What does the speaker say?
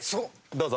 どうぞ。